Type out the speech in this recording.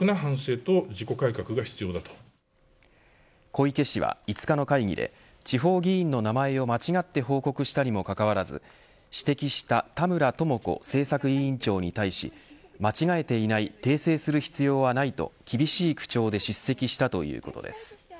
小池氏は５日の会議で地方議員の名前を間違って報告したにもかかわらず指摘した田村智子政策委員長に対し間違えていない訂正する必要はないと厳しい口調で叱責したということです。